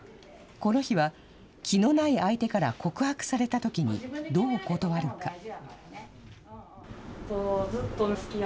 この日は、気のない相手から告白されたときにどう断るか。